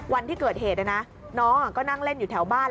วันที่เกิดเหตุนะน้องก็นั่งเล่นอยู่แถวบ้าน